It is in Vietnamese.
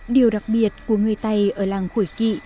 điều đặc biệt của người tày ở làng khổi kỵ